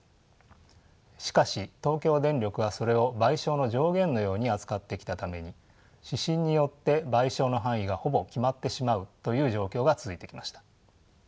しかし東京電力はそれを賠償の上限のように扱ってきたために指針によって賠償の範囲がほぼ決まってしまうという状況が続いてきました。